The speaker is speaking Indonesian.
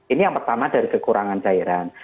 ini yang pertama dari kekurangan cairan